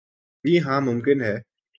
جی ہاں ممکن ہے ۔